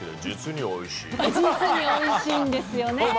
実においしいんですよね。